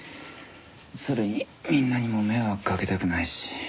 それにみんなにも迷惑かけたくないし。